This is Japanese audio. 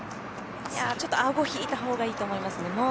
ちょっと顎引いたほうがいいと思いますね。